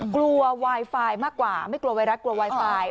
ไวไฟมากกว่าไม่กลัวไวรัสกลัวไวไฟ